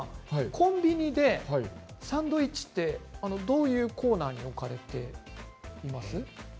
コンビニでサンドイッチってどういうコーナーに置かれていいますか？